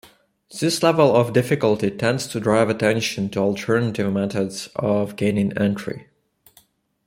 This level of difficulty tends to drive attention to alternative methods of gaining entry.